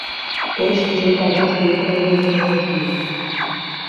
Pur și simplu acest lucru nu este posibil.